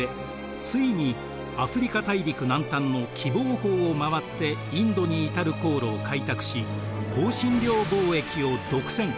ついにアフリカ大陸南端の喜望峰を回ってインドに至る航路を開拓し香辛料貿易を独占。